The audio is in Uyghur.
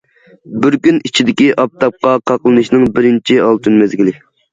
بىر كۈن ئىچىدىكى ئاپتاپقا قاقلىنىشنىڭ بىرىنچى ئالتۇن مەزگىلى.